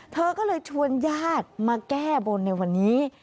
เธอก็เลยชวนญาติมาแก้บนในวันนี้